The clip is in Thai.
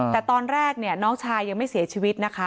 แต่ตอนแรกเนี่ยน้องชายยังไม่เสียชีวิตนะคะ